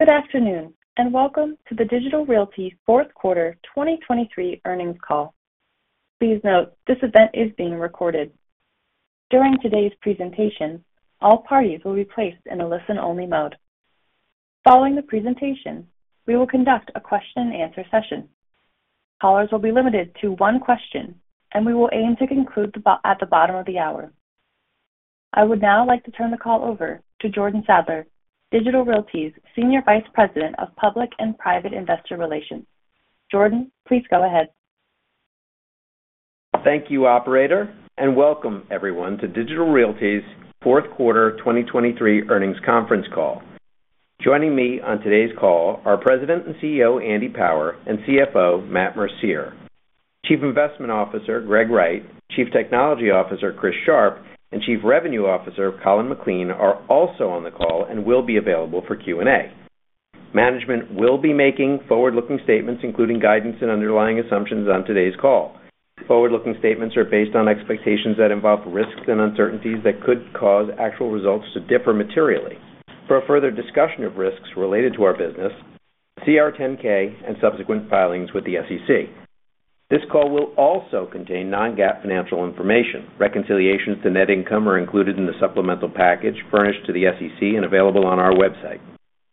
Good afternoon, and welcome to Digital Realty's Q4 2023 earnings call. Please note, this event is being recorded. During today's presentation, all parties will be placed in a listen-only mode. Following the presentation, we will conduct a question-and-answer session. Callers will be limited to one question, and we will aim to conclude the call at the bottom of the hour. I would now like to turn the call over to Jordan Sadler, Digital Realty's Senior Vice President of Public and Private Investor Relations. Jordan, please go ahead. Thank you, operator, and welcome everyone to Digital Realty's Q4 2023 Earnings Conference Call. Joining me on today's call are President and CEO, Andy Power, and CFO, Matt Mercier. Chief Investment Officer, Greg Wright, Chief Technology Officer, Chris Sharp, and Chief Revenue Officer, Colin McLean, are also on the call and will be available for Q&A. Management will be making forward-looking statements, including guidance and underlying assumptions on today's call. Forward-looking statements are based on expectations that involve risks and uncertainties that could cause actual results to differ materially. For a further discussion of risks related to our business, see our 10-K and subsequent filings with the SEC. This call will also contain non-GAAP financial information. Reconciliations to net income are included in the supplemental package furnished to the SEC and available on our website.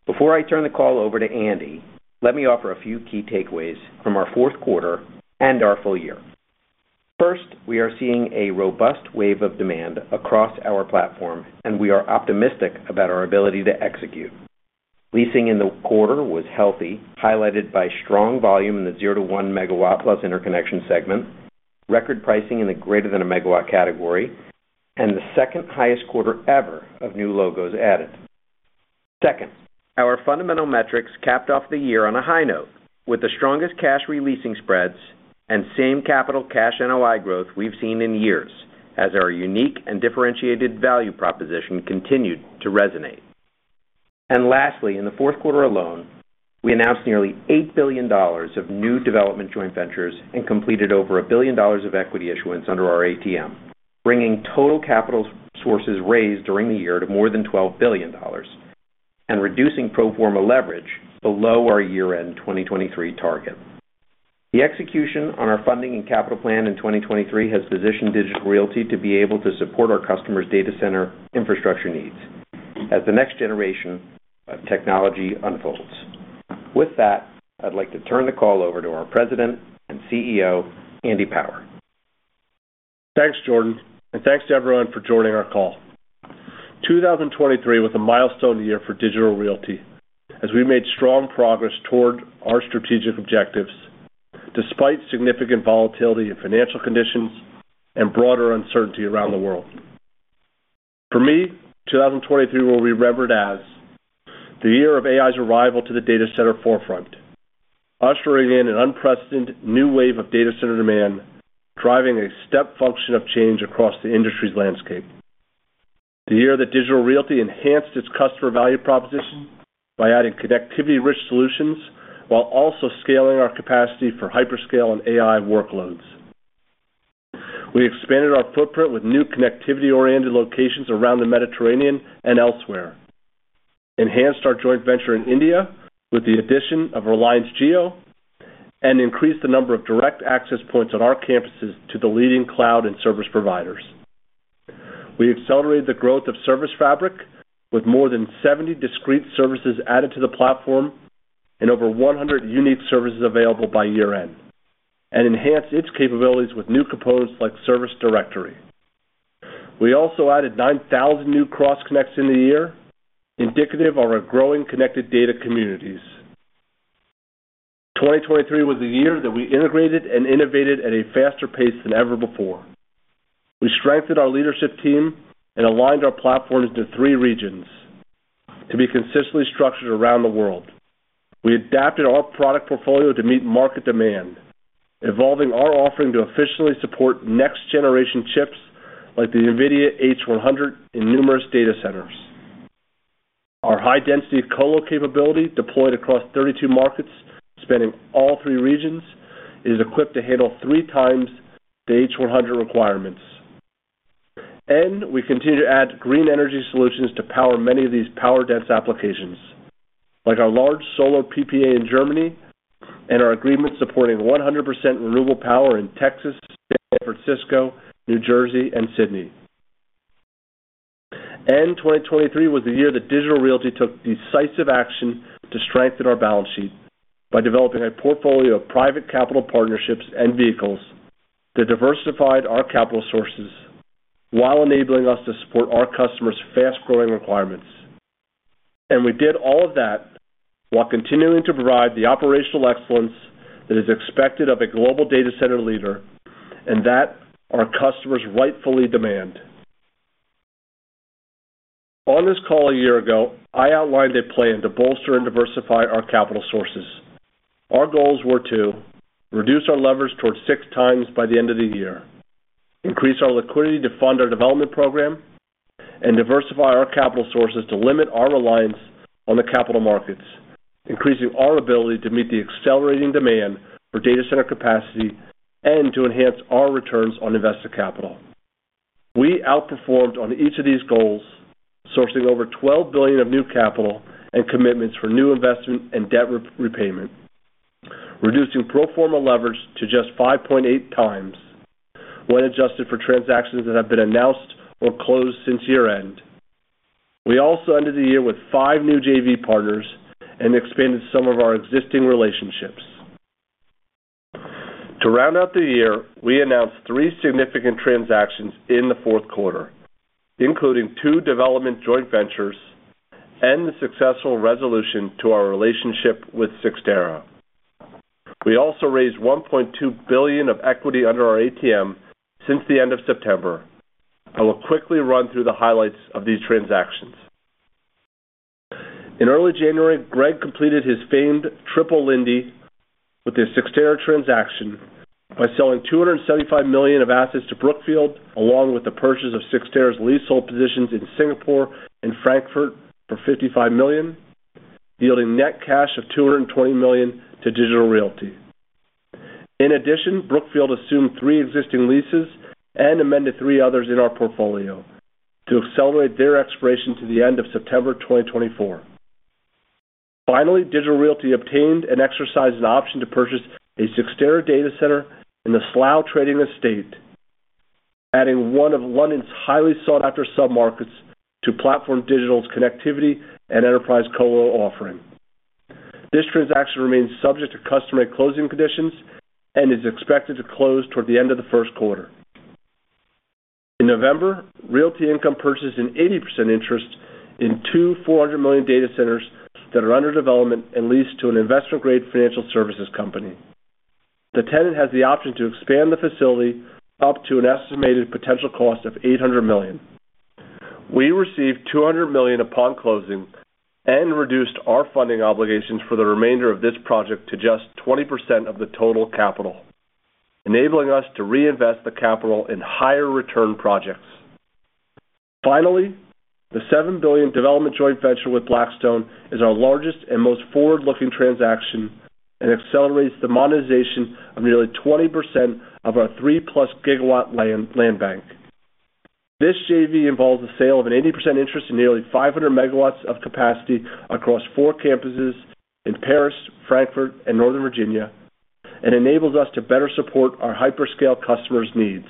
Before I turn the call over to Andy, let me offer a few key takeaways from our Q4 and our full year. First, we are seeing a robust wave of demand across our platform, and we are optimistic about our ability to execute. Leasing in the quarter was healthy, highlighted by strong volume in the 0-1 Megawatt plus interconnection segment, record pricing in the greater than 1 Megawatt category, and the second highest quarter ever of new logos added. Second, our fundamental metrics capped off the year on a high note, with the strongest cash re-leasing spreads and same-store same-capital cash NOI growth we've seen in years, as our unique and differentiated value proposition continued to resonate. Lastly, in the Q4 alone, we announced nearly $8 billion of new development joint ventures and completed over $1 billion of equity issuance under our ATM, bringing total capital sources raised during the year to more than $12 billion and reducing pro forma leverage below our year-end 2023 target. The execution on our funding and capital plan in 2023 has positioned Digital Realty to be able to support our customers' data center infrastructure needs as the next generation of technology unfolds. With that, I'd like to turn the call over to our President and CEO, Andy Power. Thanks, Jordan, and thanks to everyone for joining our call. 2023 was a milestone year for Digital Realty, as we made strong progress toward our strategic objectives, despite significant volatility in financial conditions and broader uncertainty around the world. For me, 2023 will be remembered as the year of AI's arrival to the data center forefront, ushering in an unprecedented new wave of data center demand, driving a step function of change across the industry's landscape. The year that Digital Realty enhanced its customer value proposition by adding connectivity-rich solutions, while also scaling our capacity for hyperscale and AI workloads. We expanded our footprint with new connectivity-oriented locations around the Mediterranean and elsewhere, enhanced our joint venture in India with the addition of Reliance Jio, and increased the number of direct access points on our campuses to the leading cloud and service providers. We accelerated the growth of Service Fabric with more than 70 discrete services added to the platform and over 100 unique services available by year-end, and enhanced its capabilities with new components like Service Directory. We also added 9,000 new Cross-Connects in the year, indicative of our growing connected data communities. 2023 was a year that we integrated and innovated at a faster pace than ever before. We strengthened our leadership team and aligned our platforms to three regions to be consistently structured around the world. We adapted our product portfolio to meet market demand, evolving our offering to officially support next-generation chips like the NVIDIA H100 in numerous data centers. Our high-density colo capability, deployed across 32 markets, spanning all three regions, is equipped to handle three times the H100 requirements. And we continue to add green energy solutions to power many of these power-dense applications, like our large solar PPA in Germany and our agreement supporting 100% renewable power in Texas, San Francisco, New Jersey, and Sydney. And 2023 was the year that Digital Realty took decisive action to strengthen our balance sheet by developing a portfolio of private capital partnerships and vehicles that diversified our capital sources while enabling us to support our customers' fast-growing requirements. And we did all of that while continuing to provide the operational excellence that is expected of a global data center leader and that our customers rightfully demand. On this call a year ago, I outlined a plan to bolster and diversify our capital sources. Our goals were to reduce our leverage towards 6 times by the end of the year, increase our liquidity to fund our development program, and diversify our capital sources to limit our reliance on the capital markets, increasing our ability to meet the accelerating demand for data center capacity and to enhance our returns on invested capital. We outperformed on each of these goals, sourcing over $12 billion of new capital and commitments for new investment and debt repayment, reducing pro forma leverage to just 5.8 times when adjusted for transactions that have been announced or closed since year-end. We also ended the year with 5 new JV partners and expanded some of our existing relationships. To round out the year, we announced 3 significant transactions in the Q4, including two development joint ventures and the successful resolution to our relationship with Cyxtera. We also raised $1.2 billion of equity under our ATM since the end of September. I will quickly run through the highlights of these transactions. In early January, Greg completed his famed triple lindy with his Cyxtera transaction by selling $275 million of assets to Brookfield, along with the purchase of Cyxtera's leasehold positions in Singapore and Frankfurt for $55 million, yielding net cash of $220 million to Digital Realty. In addition, Brookfield assumed three existing leases and amended three others in our portfolio to accelerate their expiration to the end of September 2024. Finally, Digital Realty obtained and exercised an option to purchase a Cyxtera data center in the Slough Trading Estate, adding one of London's highly sought-after submarkets to PlatformDigital's connectivity and enterprise colo offering. This transaction remains subject to customary closing conditions and is expected to close toward the end of the first quarter. In November, Realty Income purchased an 80% interest in two $400 million data centers that are under development and leased to an investment-grade financial services company. The tenant has the option to expand the facility up to an estimated potential cost of $800 million. We received $200 million upon closing and reduced our funding obligations for the remainder of this project to just 20% of the total capital, enabling us to reinvest the capital in higher return projects. Finally, the $7 billion development joint venture with Blackstone is our largest and most forward-looking transaction and accelerates the monetization of nearly 20% of our 3+ Gigawatt land, land bank. This JV involves the sale of an 80% interest in nearly 500 MW of capacity across four campuses in Paris, Frankfurt, and Northern Virginia, and enables us to better support our hyperscale customers' needs.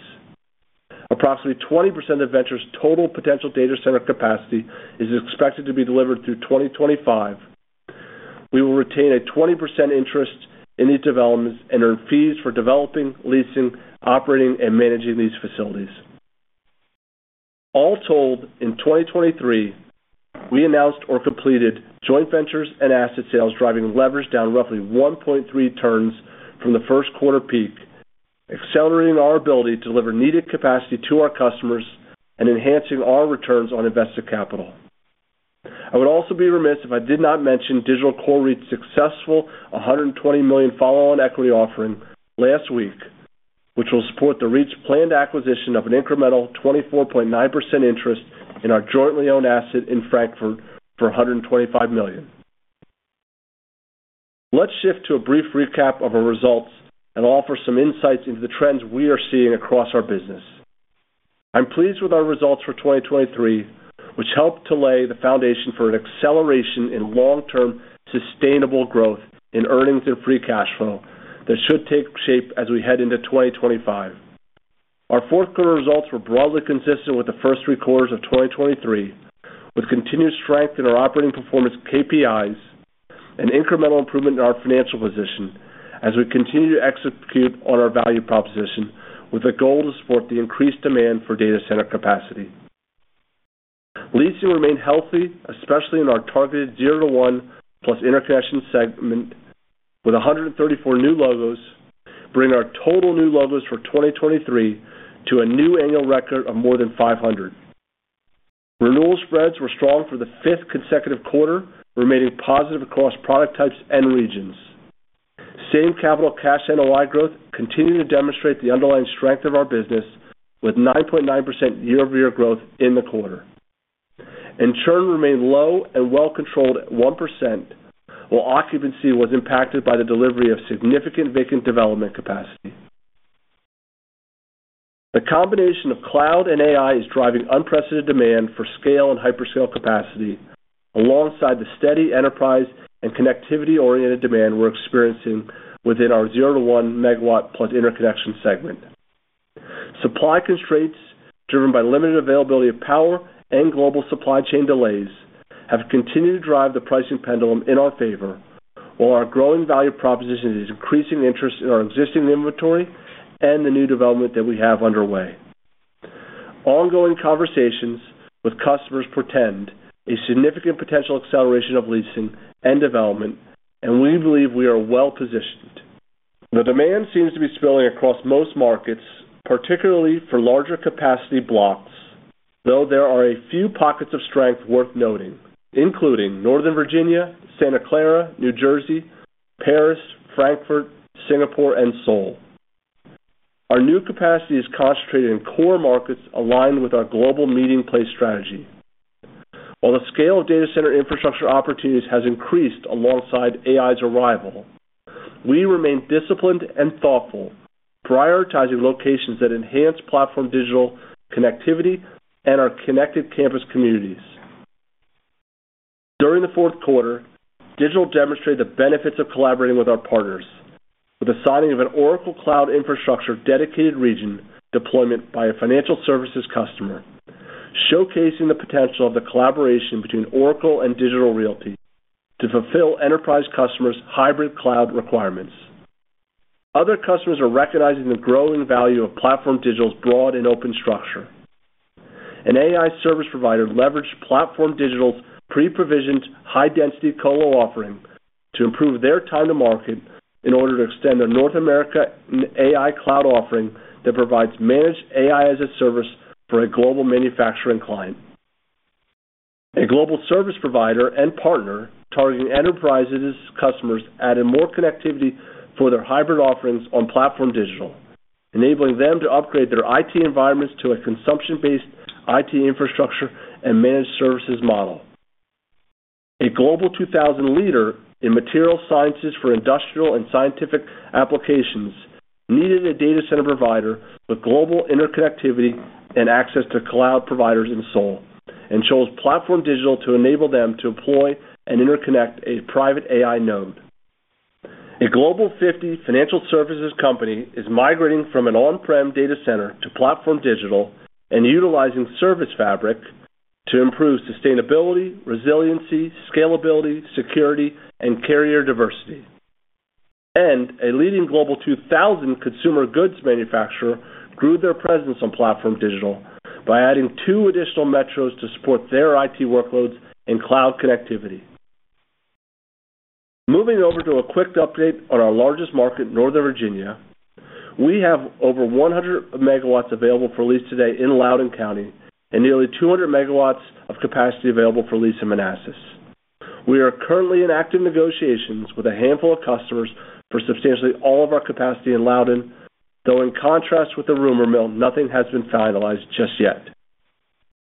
Approximately 20% of venture's total potential data center capacity is expected to be delivered through 2025. We will retain a 20% interest in these developments and earn fees for developing, leasing, operating, and managing these facilities. All told, in 2023, we announced or completed joint ventures and asset sales, driving leverage down roughly 1.3 turns from the first quarter peak, accelerating our ability to deliver needed capacity to our customers and enhancing our returns on invested capital. I would also be remiss if I did not mention Digital Core REIT's successful $120 million follow-on equity offering last week, which will support the REIT's planned acquisition of an incremental 24.9% interest in our jointly owned asset in Frankfurt for $125 million. Let's shift to a brief recap of our results and offer some insights into the trends we are seeing across our business. I'm pleased with our results for 2023, which helped to lay the foundation for an acceleration in long-term, sustainable growth in earnings and free cash flow that should take shape as we head into 2025. Our Q4 results were broadly consistent with the first three quarters of 2023, with continued strength in our operating performance KPIs and incremental improvement in our financial position as we continue to execute on our value proposition with a goal to support the increased demand for data center capacity. Leasing remained healthy, especially in our targeted 0-1+ interconnection segment, with 134 new logos, bringing our total new logos for 2023 to a new annual record of more than 500. Renewal spreads were strong for the fifth consecutive quarter, remaining positive across product types and regions. Same-Capital Cash NOI growth continued to demonstrate the underlying strength of our business with 9.9% year-over-year growth in the quarter. Churn remained low and well-controlled at 1%, while occupancy was impacted by the delivery of significant vacant development capacity. The combination of cloud and AI is driving unprecedented demand for scale and hyperscale capacity, alongside the steady enterprise and connectivity-oriented demand we're experiencing within our 0-1 Megawatt-plus interconnection segment. Supply constraints, driven by limited availability of power and global supply chain delays, have continued to drive the pricing pendulum in our favor, while our growing value proposition is increasing interest in our existing inventory and the new development that we have underway. Ongoing conversations with customers portend a significant potential acceleration of leasing and development, and we believe we are well positioned. The demand seems to be spilling across most markets, particularly for larger capacity blocks, though there are a few pockets of strength worth noting, including Northern Virginia, Santa Clara, New Jersey, Paris, Frankfurt, Singapore, and Seoul. Our new capacity is concentrated in core markets aligned with our global meeting place strategy.... While the scale of data center infrastructure opportunities has increased alongside AI's arrival, we remain disciplined and thoughtful, prioritizing locations that enhance Platform Digital connectivity and our connected campus communities. During the Q4, Digital demonstrated the benefits of collaborating with our partners, with the signing of an Oracle Cloud Infrastructure dedicated region deployment by a financial services customer, showcasing the potential of the collaboration between Oracle and Digital Realty to fulfill enterprise customers' hybrid cloud requirements. Other customers are recognizing the growing value of Platform Digital's broad and open structure. An AI service provider leveraged Platform Digital's pre-provisioned, high-density colo offering to improve their time to market in order to extend their North America AI cloud offering that provides managed AI as a service for a global manufacturing client. A global service provider and partner targeting enterprise customers added more connectivity for their hybrid offerings on PlatformDIGITAL, enabling them to upgrade their IT environments to a consumption-based IT infrastructure and managed services model. A Global 2000 leader in material sciences for industrial and scientific applications needed a data center provider with global interconnectivity and access to cloud providers in Seoul, and chose PlatformDIGITAL to enable them to deploy and interconnect a private AI node. A Global 50 financial services company is migrating from an on-prem data center to PlatformDIGITAL and utilizing Service Fabric to improve sustainability, resiliency, scalability, security, and carrier diversity. And a leading Global 2000 consumer goods manufacturer grew their presence on PlatformDIGITAL by adding 2 additional metros to support their IT workloads and cloud connectivity. Moving over to a quick update on our largest market, Northern Virginia, we have over 100 MW available for lease today in Loudoun County and nearly 200 MW of capacity available for lease in Manassas. We are currently in active negotiations with a handful of customers for substantially all of our capacity in Loudoun, though in contrast with the rumor mill, nothing has been finalized just yet.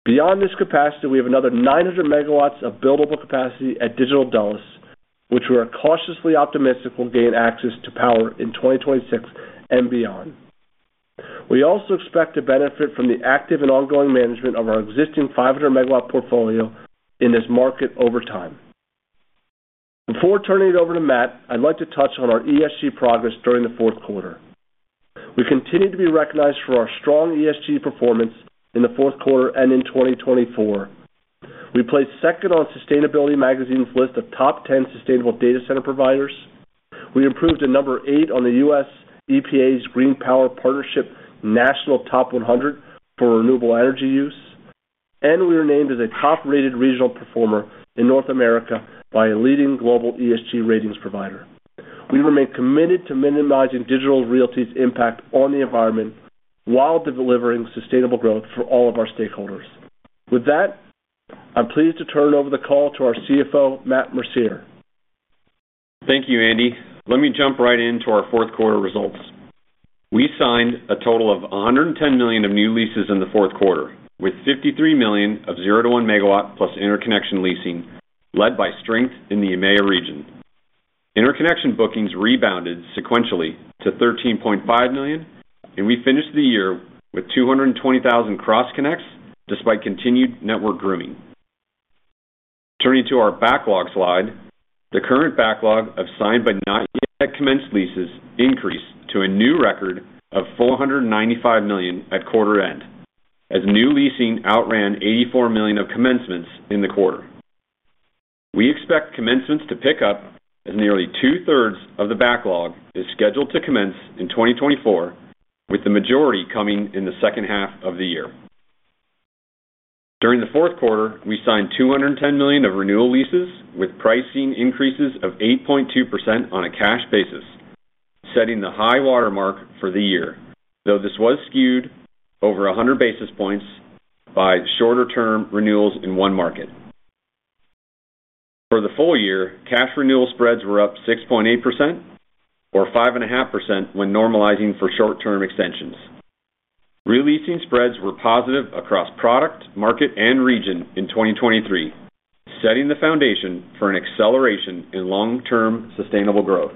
Beyond this capacity, we have another 900 MW of buildable capacity at Digital Dulles, which we are cautiously optimistic will gain access to power in 2026 and beyond. We also expect to benefit from the active and ongoing management of our existing 500 MW portfolio in this market over time. Before turning it over to Matt, I'd like to touch on our ESG progress during the Q4. We continue to be recognized for our strong ESG performance in the Q4 and in 2024. We placed 2nd on Sustainability Magazine's list of top 10 sustainable data center providers. We improved to 8th on the U.S. EPA's Green Power Partnership National Top 100 for renewable energy use, and we were named as a top-rated regional performer in North America by a leading global ESG ratings provider. We remain committed to minimizing Digital Realty's impact on the environment while delivering sustainable growth for all of our stakeholders. With that, I'm pleased to turn over the call to our CFO, Matt Mercier. Thank you, Andy. Let me jump right into our Q4 results. We signed a total of $110 million of new leases in the Q4, with $53 million of 0-1 MW plus interconnection leasing, led by strength in the EMEA region. Interconnection bookings rebounded sequentially to $13.5 million, and we finished the year with 220,000 cross connects despite continued network grooming. Turning to our backlog slide, the current backlog of signed but not yet commenced leases increased to a new record of $495 million at quarter end, as new leasing outran $84 million of commencements in the quarter. We expect commencements to pick up as nearly two-thirds of the backlog is scheduled to commence in 2024, with the majority coming in the second half of the year. During the Q4, we signed $210 million of renewal leases, with pricing increases of 8.2% on a cash basis, setting the high-water mark for the year, though this was skewed over 100 basis points by shorter-term renewals in one market. For the full year, cash renewal spreads were up 6.8%, or 5.5% when normalizing for short-term extensions. Releasing spreads were positive across product, market, and region in 2023, setting the foundation for an acceleration in long-term sustainable growth.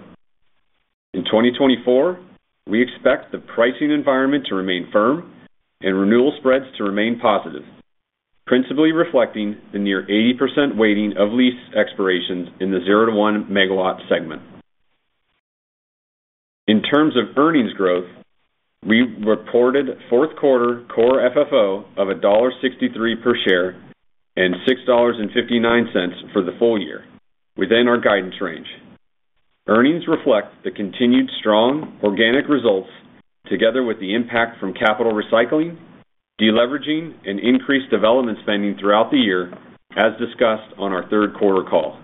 In 2024, we expect the pricing environment to remain firm and renewal spreads to remain positive, principally reflecting the near 80% weighting of lease expirations in the 0-1 MW segment. In terms of earnings growth, we reported Q4 Core FFO of $1.63 per share and $6.59 for the full year, within our guidance range. Earnings reflect the continued strong organic results, together with the impact from capital recycling, deleveraging, and increased development spending throughout the year, as discussed on our third quarter call.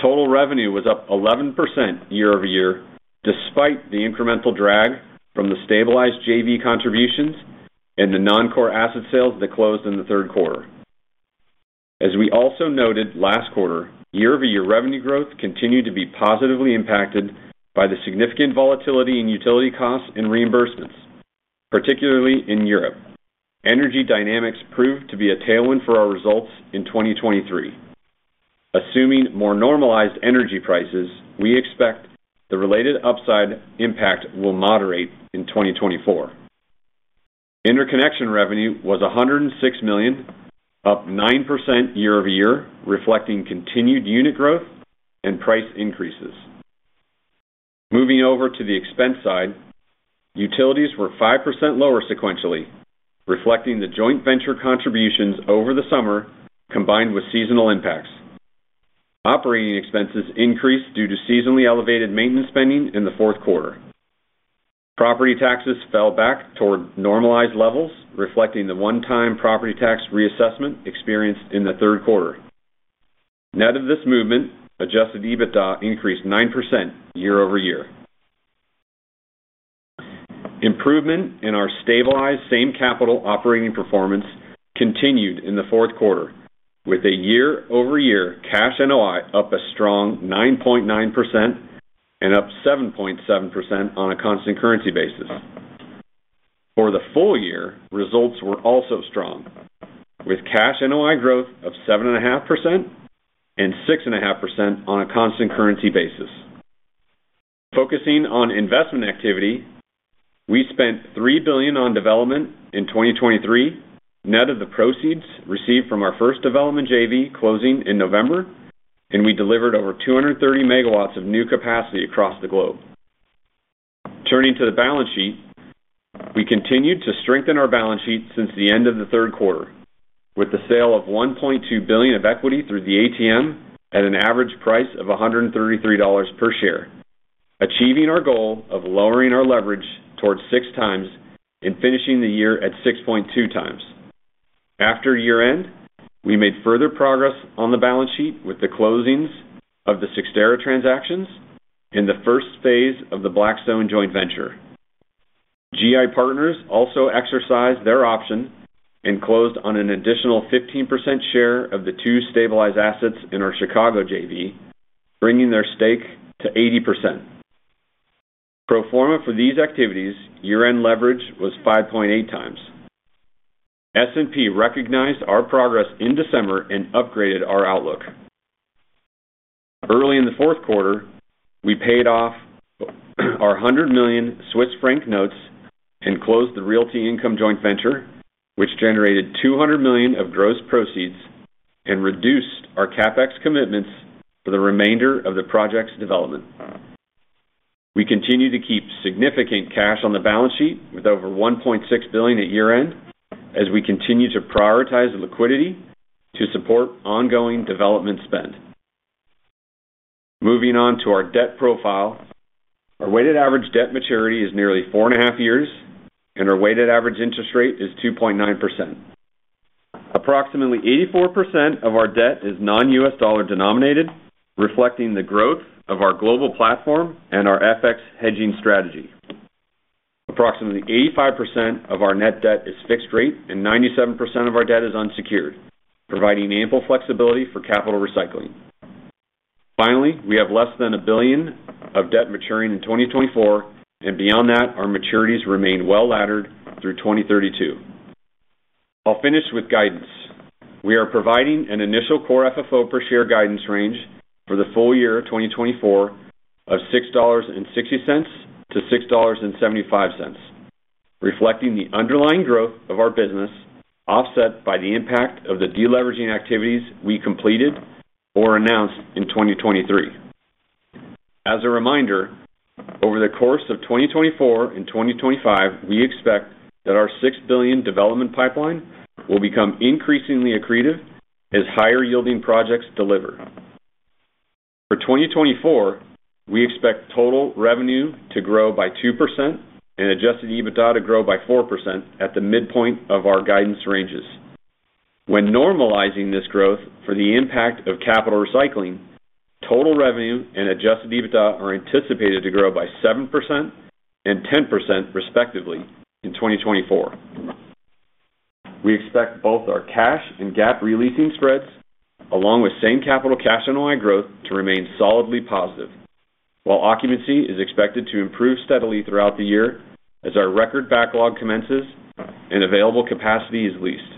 Total revenue was up 11% year-over-year, despite the incremental drag from the stabilized JV contributions and the non-core asset sales that closed in the third quarter....As we also noted last quarter, year-over-year revenue growth continued to be positively impacted by the significant volatility in utility costs and reimbursements, particularly in Europe. Energy dynamics proved to be a tailwind for our results in 2023. Assuming more normalized energy prices, we expect the related upside impact will moderate in 2024. Interconnection revenue was $106 million, up 9% year-over-year, reflecting continued unit growth and price increases. Moving over to the expense side, utilities were 5% lower sequentially, reflecting the joint venture contributions over the summer, combined with seasonal impacts. Operating expenses increased due to seasonally elevated maintenance spending in the Q4. Property taxes fell back toward normalized levels, reflecting the one-time property tax reassessment experienced in the third quarter. Net of this movement, adjusted EBITDA increased 9% year-over-year. Improvement in our stabilized same-capital operating performance continued in the Q4, with a year-over-year cash NOI up a strong 9.9% and up 7.7% on a constant currency basis. For the full year, results were also strong, with cash NOI growth of 7.5% and 6.5% on a constant currency basis. Focusing on investment activity, we spent $3 billion on development in 2023, net of the proceeds received from our first development JV closing in November, and we delivered over 230 MW of new capacity across the globe. Turning to the balance sheet, we continued to strengthen our balance sheet since the end of the third quarter, with the sale of $1.2 billion of equity through the ATM at an average price of $133 per share, achieving our goal of lowering our leverage towards 6 times and finishing the year at 6.2 times. After year-end, we made further progress on the balance sheet with the closings of the Cyxtera transactions and the first phase of the Blackstone joint venture. GI Partners also exercised their option and closed on an additional 15% share of the two stabilized assets in our Chicago JV, bringing their stake to 80%. Pro forma for these activities, year-end leverage was 5.8 times. S&P recognized our progress in December and upgraded our outlook. Early in the Q4, we paid off our 100 million Swiss franc notes and closed the Realty Income Joint Venture, which generated $200 million of gross proceeds and reduced our CapEx commitments for the remainder of the projects development. We continue to keep significant cash on the balance sheet with over $1.6 billion at year-end, as we continue to prioritize the liquidity to support ongoing development spend. Moving on to our debt profile. Our weighted average debt maturity is nearly 4.5 years, and our weighted average interest rate is 2.9%. Approximately 84% of our debt is non-U.S. dollar denominated, reflecting the growth of our global platform and our FX hedging strategy. Approximately 85% of our net debt is fixed rate, and 97% of our debt is unsecured, providing ample flexibility for capital recycling. Finally, we have less than $1 billion of debt maturing in 2024, and beyond that, our maturities remain well-laddered through 2032. I'll finish with guidance. We are providing an initial Core FFO per share guidance range for the full year of 2024 of $6.60-$6.75, reflecting the underlying growth of our business, offset by the impact of the deleveraging activities we completed or announced in 2023. As a reminder, over the course of 2024 and 2025, we expect that our $6 billion development pipeline will become increasingly accretive as higher-yielding projects deliver. For 2024, we expect total revenue to grow by 2% and adjusted EBITDA to grow by 4% at the midpoint of our guidance ranges. When normalizing this growth for the impact of capital recycling, total revenue and adjusted EBITDA are anticipated to grow by 7% and 10%, respectively, in 2024. We expect both our cash and GAAP re-leasing spreads, along with same capital cash NOI growth, to remain solidly positive, while occupancy is expected to improve steadily throughout the year as our record backlog commences and available capacity is leased.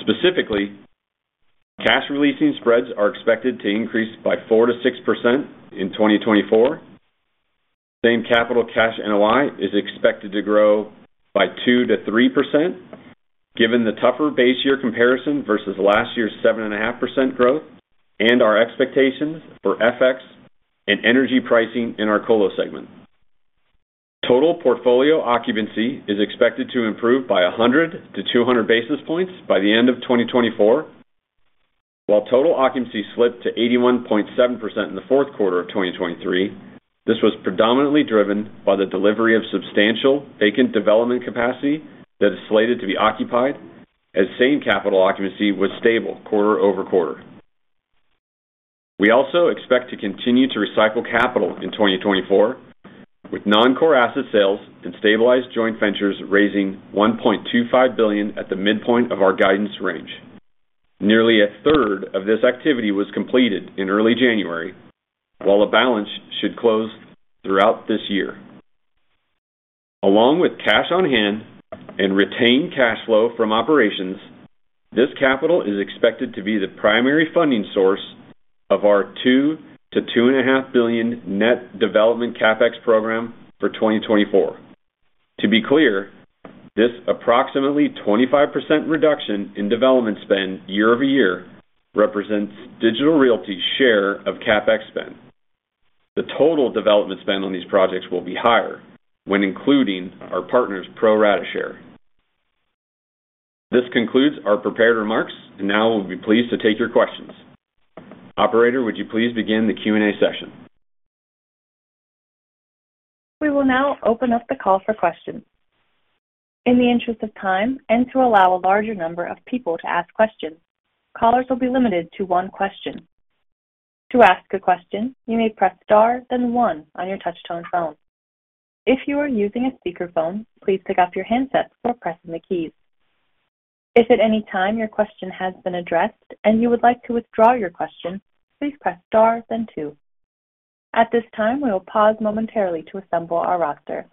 Specifically, cash re-leasing spreads are expected to increase by 4%-6% in 2024. Same-capital Cash NOI is expected to grow by 2% to 3%, given the tougher base year comparison versus last year's 7.5% growth and our expectations for FX and energy pricing in our colo segment. Total portfolio occupancy is expected to improve by 100 to 200 basis points by the end of 2024, while total occupancy slipped to 81.7% in the Q4 of 2023. This was predominantly driven by the delivery of substantial vacant development capacity that is slated to be occupied, as same-capital occupancy was stable quarter-over-quarter. We also expect to continue to recycle capital in 2024, with non-core asset sales and stabilized joint ventures, raising $1.25 billion at the midpoint of our guidance range. Nearly a third of this activity was completed in early January, while a balance should close throughout this year. Along with cash on hand and retained cash flow from operations, this capital is expected to be the primary funding source of our $2 billion to $2.5 billion net development CapEx program for 2024. To be clear, this approximately 25% reduction in development spend year-over-year represents Digital Realty's share of CapEx spend. The total development spend on these projects will be higher when including our partners' pro rata share. This concludes our prepared remarks, and now we'll be pleased to take your questions. Operator, would you please begin the Q&A session? We will now open up the call for questions. In the interest of time and to allow a larger number of people to ask questions, callers will be limited to one question. To ask a question, you may press star, then one on your touchtone phone. If you are using a speakerphone, please pick up your handset before pressing the keys. If at any time your question has been addressed and you would like to withdraw your question, please press star then two. At this time, we will pause momentarily to assemble our roster.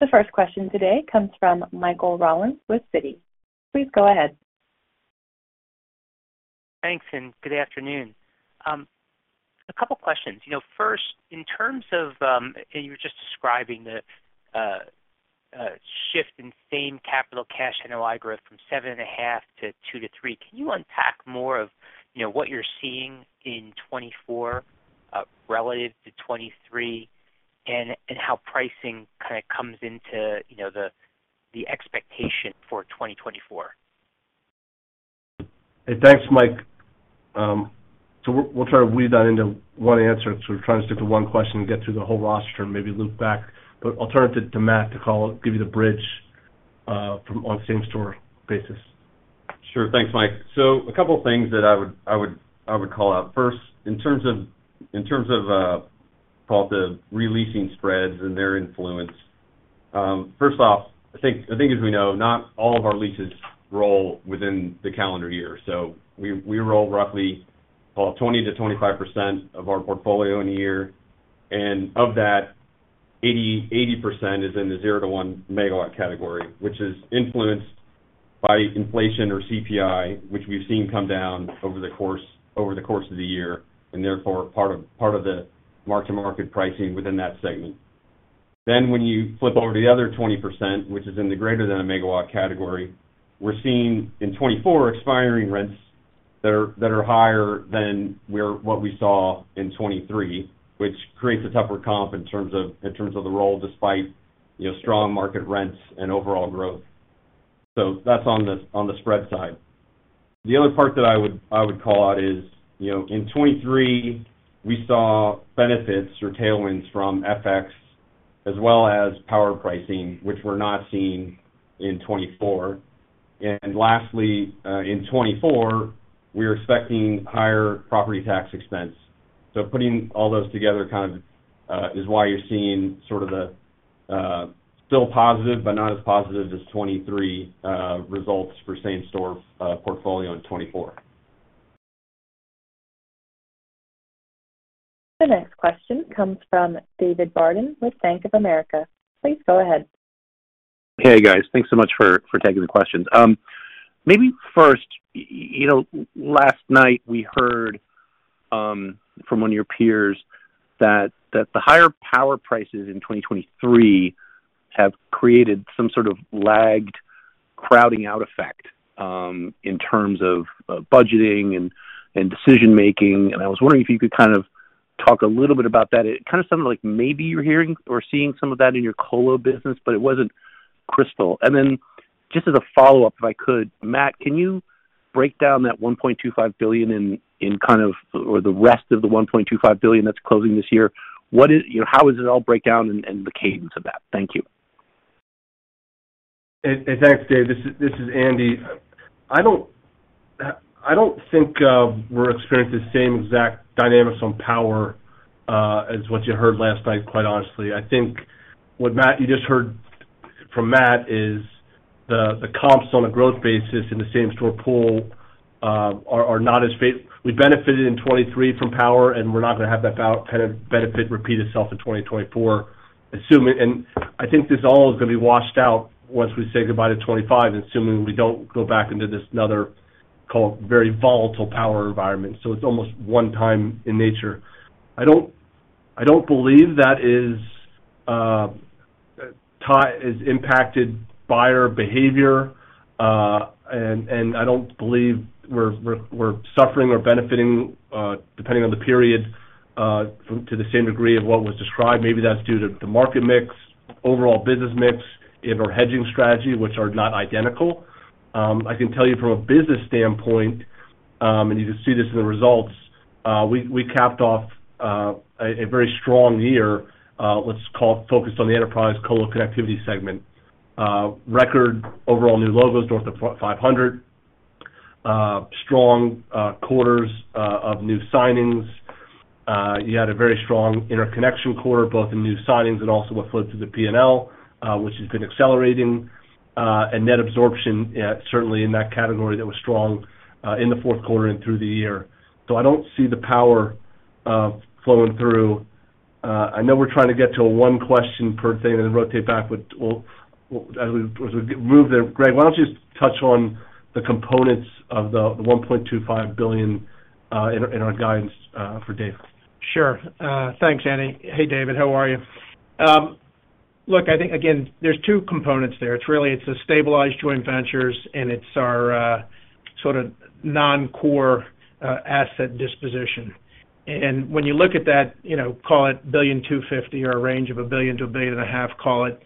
The first question today comes from Michael Rollins with Citi. Please go ahead. Thanks, and good afternoon. A couple questions. You know, first, in terms of, and you were just describing the shift in same-capital Cash NOI growth from 7.5 to 2-3. Can you unpack more of, you know, what you're seeing in 2024, relative to 2023, and, and how pricing kind of comes into, you know, the, the expectation for 2024? Hey, thanks, Mike. So we'll try to weave that into one answer to try to stick to one question and get through the whole roster and maybe loop back. But I'll turn it to Matt to call, give you the bridge from on same-store basis. Sure. Thanks, Mike. So a couple of things that I would call out. First, in terms of the re-leasing spreads and their influence. First off, I think as we know, not all of our leases roll within the calendar year, so we roll roughly 20% to 25% of our portfolio in a year, and of that, 80% is in the 0-1 Megawatt category, which is influenced by inflation or CPI, which we've seen come down over the course of the year, and therefore, part of the mark-to-market pricing within that segment. Then, when you flip over to the other 20%, which is in the greater than 1 Megawatt category, we're seeing in 2024, expiring rents that are higher than where... What we saw in 2023, which creates a tougher comp in terms of the role, despite, you know, strong market rents and overall growth. So that's on the spread side. The other part that I would call out is, you know, in 2023, we saw benefits or tailwinds from FX as well as power pricing, which we're not seeing in 2024. And lastly, in 2024, we're expecting higher property tax expense. So putting all those together kind of is why you're seeing sort of the still positive, but not as positive as 2023, results for same-store portfolio in 2024. The next question comes from David Barden with Bank of America. Please go ahead. Hey, guys, thanks so much for taking the questions. Maybe first, you know, last night we heard from one of your peers that the higher power prices in 2023 have created some sort of lagged, crowding out effect in terms of budgeting and decision-making. And I was wondering if you could kind of talk a little bit about that. It kind of sounded like maybe you're hearing or seeing some of that in your colo business, but it wasn't crystal. And then, just as a follow-up, if I could, Matt, can you break down that $1.25 billion in kind of, or the rest of the $1.25 billion that's closing this year? What is... You know, how does it all break down and the cadence of that? Thank you. Hey, thanks, Dave. This is Andy. I don't think we're experiencing the same exact dynamics on power as what you heard last night, quite honestly. I think what you just heard from Matt is the comps on a growth basis in the same-store pool are not as big. We benefited in 2023 from power, and we're not going to have that kind of benefit repeat itself in 2024, assuming. And I think this all is going to be washed out once we say goodbye to 2025, assuming we don't go back into this another, call it, very volatile power environment. So it's almost one time in nature. I don't believe that has impacted buyer behavior, and I don't believe we're suffering or benefiting, depending on the period, from to the same degree of what was described. Maybe that's due to the market mix, overall business mix, and our hedging strategy, which are not identical. I can tell you from a business standpoint, and you can see this in the results. We capped off a very strong year, let's call focused on the enterprise colo connectivity segment. Record overall new logos, north of 500. Strong quarters of new signings. You had a very strong interconnection quarter, both in new signings and also what flowed to the P&L, which has been accelerating, and net absorption, certainly in that category, that was strong, in the Q4 and through the year. So I don't see the power of flowing through. I know we're trying to get to a one question per thing and then rotate back, but we'll as we, as we move there, Greg, why don't you touch on the components of the $1.25 billion in our, in our guidance, for Dave? Sure. Thanks, Andy. Hey, David, how are you? Look, I think again, there's two components there. It's really, it's a stabilized joint ventures, and it's our sort of non-core asset disposition. And when you look at that, you know, call it $1.25 billion or a range of $1 billion-$1.5 billion, call it.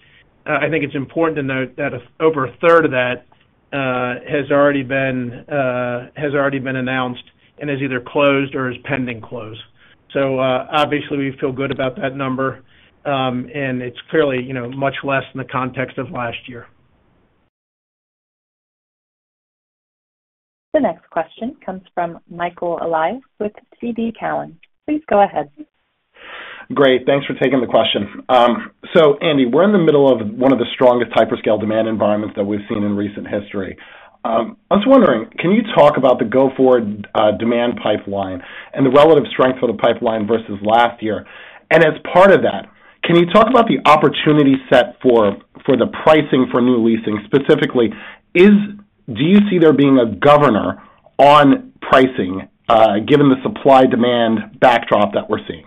I think it's important to note that over a third of that has already been announced and is either closed or is pending close. So, obviously, we feel good about that number, and it's clearly, you know, much less in the context of last year. The next question comes from Michael Elias with TD Cowen. Please go ahead. Great. Thanks for taking the question. So Andy, we're in the middle of one of the strongest hyperscale demand environments that we've seen in recent history. I was wondering, can you talk about the go forward demand pipeline and the relative strength of the pipeline versus last year? And as part of that, can you talk about the opportunity set for the pricing for new leasing, specifically, do you see there being a governor on pricing, given the supply-demand backdrop that we're seeing?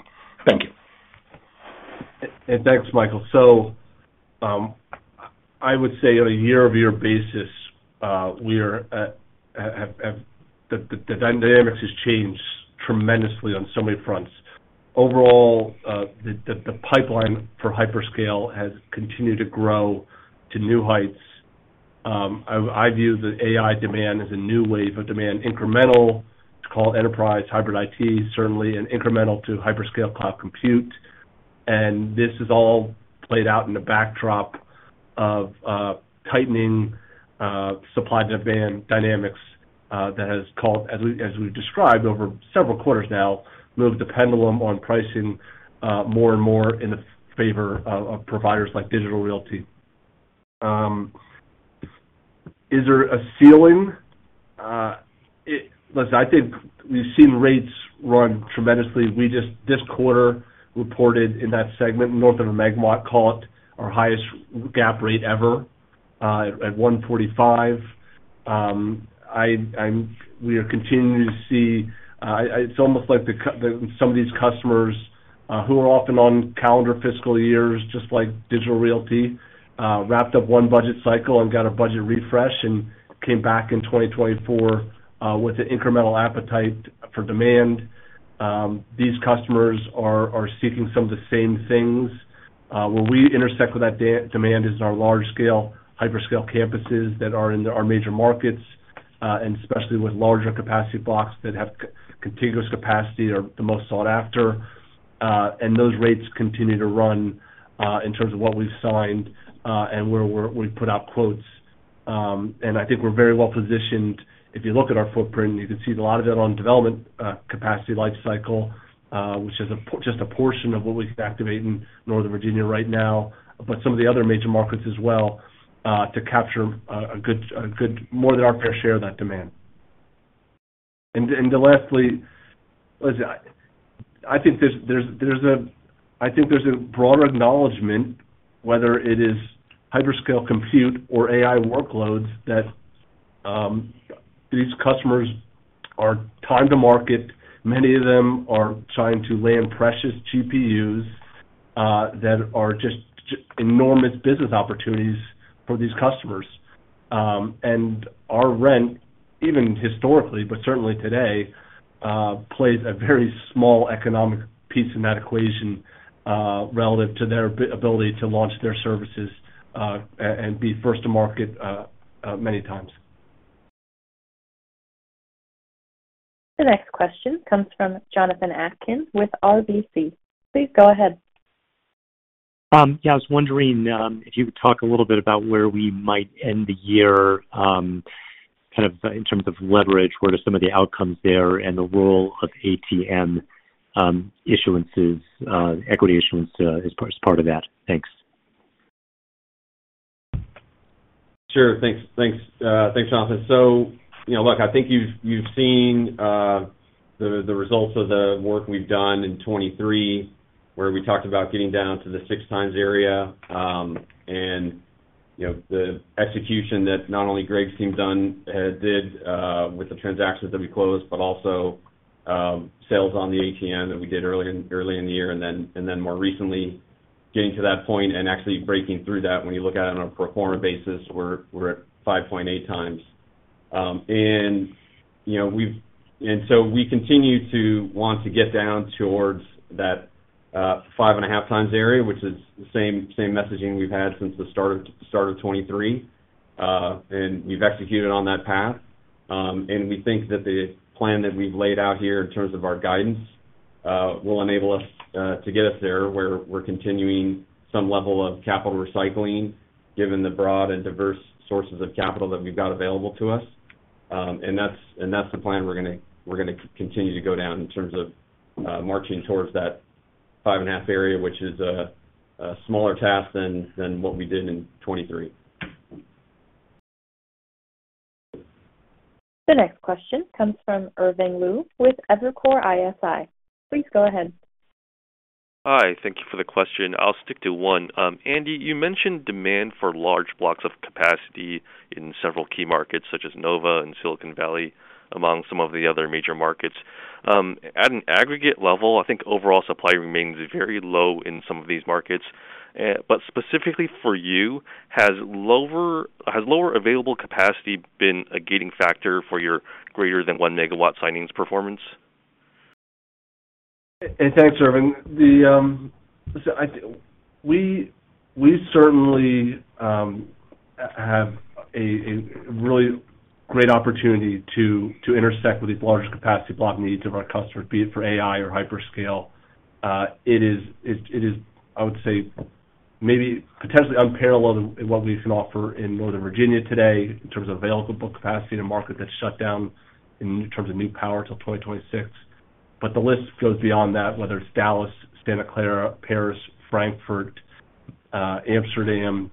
Thank you. Thanks, Michael. So, I would say on a year-over-year basis, the dynamics has changed tremendously on so many fronts. Overall, the pipeline for hyperscale has continued to grow to new heights. I view the AI demand as a new wave of demand, incremental. It's called enterprise hybrid IT, certainly an incremental to hyperscale cloud compute. And this is all played out in the backdrop of tightening supply-demand dynamics that has caused, as we've described over several quarters now, moved the pendulum on pricing more and more in the favor of providers like Digital Realty. Is there a ceiling? Listen, I think we've seen rates run tremendously. We just, this quarter, reported in that segment, Northern and Megawatt, call it, our highest GAAP rate ever, at $145. We are continuing to see. It's almost like some of these customers, who are often on calendar fiscal years, just like Digital Realty, wrapped up one budget cycle and got a budget refresh and came back in 2024, with an incremental appetite for demand. These customers are seeking some of the same things. Where we intersect with that demand is in our large scale, hyperscale campuses that are in our major markets, and especially with larger capacity blocks that have contiguous capacity, are the most sought after. And those rates continue to run, in terms of what we've signed, and where we've put out quotes. And I think we're very well positioned. If you look at our footprint, you can see a lot of it on development, capacity life cycle, which is just a portion of what we activate in Northern Virginia right now, but some of the other major markets as well, to capture a good more than our fair share of that demand. And lastly, listen, I think there's a broader acknowledgment, whether it is hyperscale compute or AI workloads, that these customers are time to market. Many of them are trying to land precious GPUs, that are just enormous business opportunities for these customers. And our rent, even historically, but certainly today, plays a very small economic piece in that equation, relative to their ability to launch their services, and be first to market, many times. The next question comes from Jonathan Atkin with RBC. Please go ahead. Yeah, I was wondering if you could talk a little bit about where we might end the year, kind of in terms of leverage, what are some of the outcomes there and the role of ATM issuances, equity issuance, as part of that? Thanks. Sure. Thanks, Jonathan. So, you know, look, I think you've seen the results of the work we've done in 2023, where we talked about getting down to the 6 times area, and, you know, the execution that not only Greg's team did with the transactions that we closed, but also sales on the ATM that we did early in the year, and then more recently, ge tting to that point and actually breaking through that. When you look at it on a pro forma basis, we're at 5.8x. And so we continue to want to get down towards that 5.5 times area, which is the same messaging we've had since the start of 2023. and we've executed on that path. And we think that the plan that we've laid out here in terms of our guidance, will enable us, to get us there, where we're continuing some level of capital recycling, given the broad and diverse sources of capital that we've got available to us. And that's, and that's the plan we're gonna, we're gonna continue to go down in terms of, marching towards that 5.5 area, which is a, a smaller task than what we did in 2023. The next question comes from Irving Lu with Evercore ISI. Please go ahead. Hi, thank you for the question. I'll stick to one. Andy, you mentioned demand for large blocks of capacity in several key markets, such as Nova and Silicon Valley, among some of the other major markets. At an aggregate level, I think overall supply remains very low in some of these markets. But specifically for you, has lower available capacity been a gating factor for your greater than 1 Megawatt signings performance? Thanks, Irving. We certainly have a really great opportunity to intersect with these larger capacity block needs of our customers, be it for AI or hyperscale. It is, I would say, maybe potentially unparalleled in what we can offer in Northern Virginia today in terms of available capacity in a market that's shut down in terms of new power till 2026. But the list goes beyond that, whether it's Dallas, Santa Clara, Paris, Frankfurt, Amsterdam,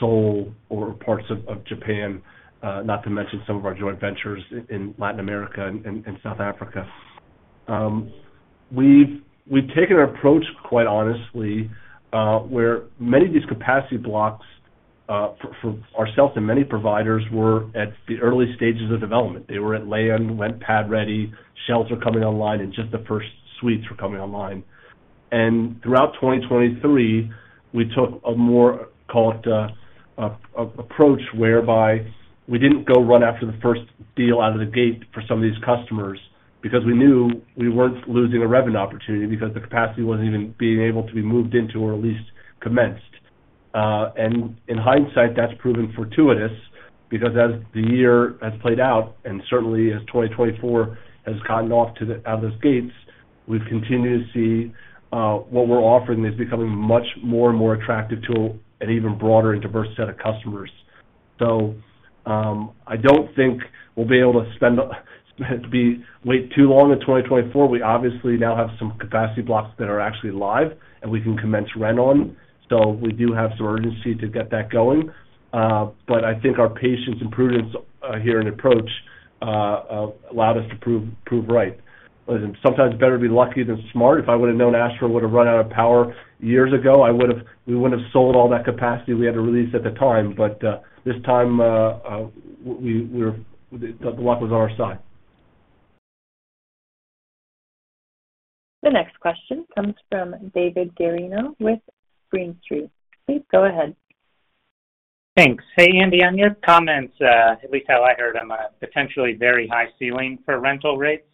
Seoul, or parts of Japan, not to mention some of our joint ventures in Latin America and South Africa. We've taken an approach, quite honestly, where many of these capacity blocks for ourselves and many providers were at the early stages of development. They were at land, went pad ready, shells were coming online, and just the first suites were coming online. Throughout 2023, we took a more, call it, approach, whereby we didn't go run after the first deal out of the gate for some of these customers, because we knew we weren't losing a revenue opportunity because the capacity wasn't even being able to be moved into or at least commenced. In hindsight, that's proven fortuitous, because as the year has played out, and certainly as 2024 has gotten off to the out of its gates, we've continued to see what we're offering is becoming much more and more attractive to an even broader and diverse set of customers. So, I don't think we'll be able to spend, to be wait too long in 2024. We obviously now have some capacity blocks that are actually live, and we can commence rent on, so we do have some urgency to get that going. But I think our patience and prudence here in approach allowed us to prove right. Listen, sometimes better be lucky than smart. If I would've known Ashburn would have run out of power years ago, I would've, we wouldn't have sold all that capacity we had to lease at the time. But this time, the luck was on our side. The next question comes from David Garino with Green Street. Please go ahead. Thanks. Hey, Andy, on your comments, at least how I heard them, a potentially very high ceiling for rental rates.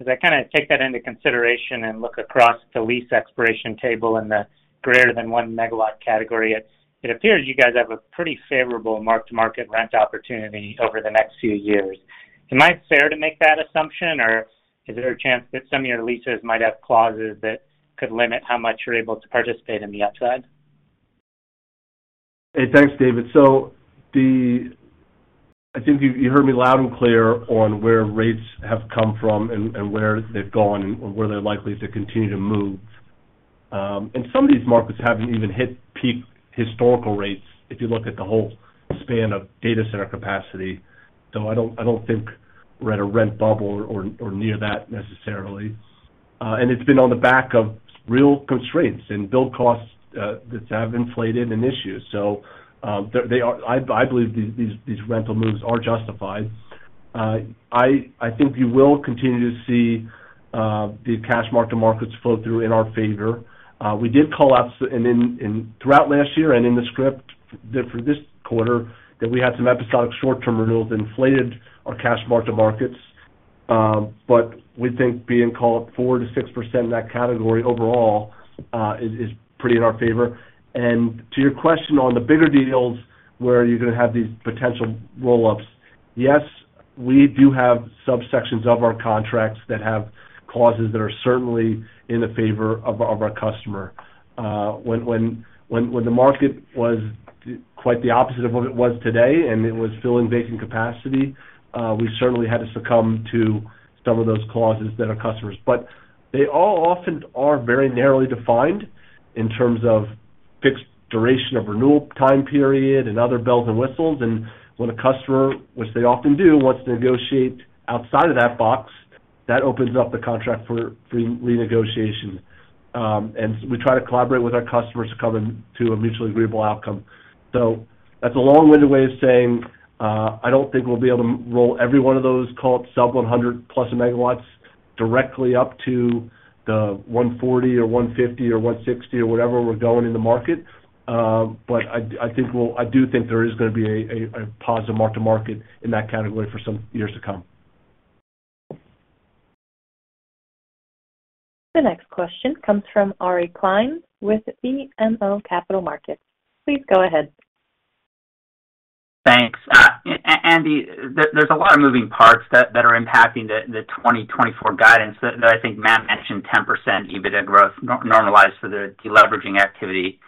As I kind of take that into consideration and look across the lease expiration table in the greater than 1 Megawatt category, it appears you guys have a pretty favorable mark-to-market rent opportunity over the next few years. Am I fair to make that assumption, or is there a chance that some of your leases might have clauses that could limit how much you're able to participate in the upside? Hey, thanks, David. So I think you heard me loud and clear on where rates have come from and where they've gone and where they're likely to continue to move. And some of these markets haven't even hit peak historical rates if you look at the whole span of data center capacity. So I don't think we're at a rent bubble or near that necessarily. And it's been on the back of real constraints and build costs that have inflated and issues. So they are—I believe these rental moves are justified. I think you will continue to see the cash mark-to-markets flow through in our favor. We did call out and in, and throughout last year and in the script that for this quarter, that we had some episodic short-term renewals that inflated our cash mark-to-markets. But we think being called 4%-6% in that category overall is pretty in our favor. And to your question on the bigger deals, where you're gonna have these potential roll-ups, yes, we do have subsections of our contracts that have clauses that are certainly in the favor of our customer. When the market was quite the opposite of what it was today, and it was filling vacant capacity, we certainly had to succumb to some of those clauses that our customers. But they all often are very narrowly defined in terms of fixed duration of renewal time period and other bells and whistles. And when a customer, which they often do, wants to negotiate outside of that box, that opens up the contract for renegotiation. And we try to collaborate with our customers to come in to a mutually agreeable outcome. So that's a long-winded way of saying, I don't think we'll be able to roll every one of those, call it sub 100+ MW, directly up to the 140 or 150 or 160 or whatever we're going in the market. But I think we'll—I do think there is gonna be a positive mark-to-market in that category for some years to come. The next question comes from Ari Klein with BMO Capital Markets. Please go ahead. Thanks. Andy, there's a lot of moving parts that are impacting the 2024 guidance that I think Matt mentioned, 10% EBITDA growth normalized for the deleveraging activity.